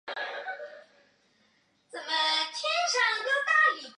沙勿略成为第一位踏上日本国土的天主教传教士。